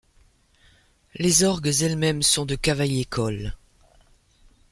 Les orgues elles-mêmes sont de Cavaillé-Coll.